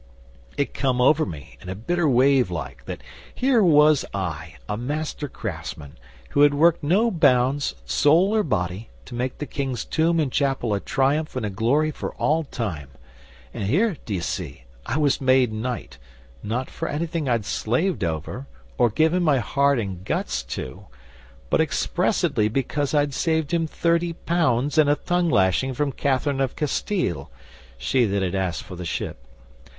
'It come over me, in a bitter wave like, that here was I, a master craftsman, who had worked no bounds, soul or body, to make the King's tomb and chapel a triumph and a glory for all time; and here, d'ye see, I was made knight, not for anything I'd slaved over, or given my heart and guts to, but expressedly because I'd saved him thirty pounds and a tongue lashing from Catherine of Castille she that had asked for the ship.